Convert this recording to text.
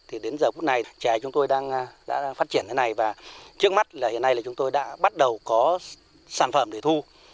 thì đến giờ bút này trẻ chúng tôi đã phát triển thế này và trước mắt hiện nay chúng tôi đã bắt đầu có sản phẩm để thu